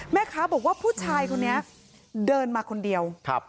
แม่ค้าบอกว่าผู้ชายคนนี้เดินมาคนเดียว